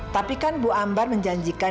tapi kan bu ambar menjanjikan